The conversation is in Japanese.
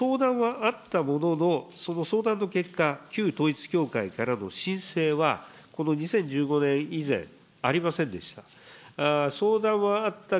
しかし、相談はあったものの、その相談の結果、旧統一教会からの申請は、この２０１５年以前、ありませんでした。